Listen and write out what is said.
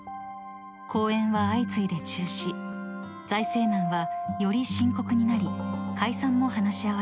［公演は相次いで中止財政難はより深刻になり解散も話し合われました］